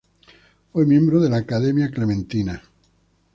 Fue miembro de la Accademia Clementina.